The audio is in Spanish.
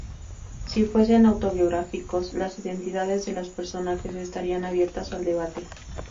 Si fuesen autobiográficos, las identidades de los personajes estarían abiertas al debate.